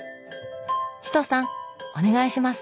チトさんお願いします！